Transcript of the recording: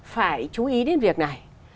phải chú ý đến việc này